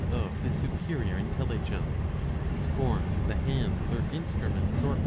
10. of his superior intelligence. For the hands are instruments or.